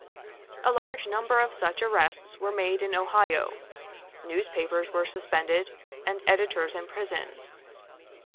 A large number of such arrests were made in Ohio, newspapers were suspended, and editors imprisoned.